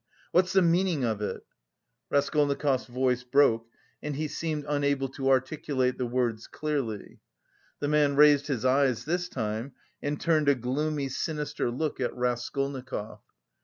What's the meaning of it?" Raskolnikov's voice broke and he seemed unable to articulate the words clearly. The man raised his eyes this time and turned a gloomy sinister look at Raskolnikov.